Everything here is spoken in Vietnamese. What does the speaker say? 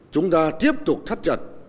chúng ta tiếp tục thắt chặt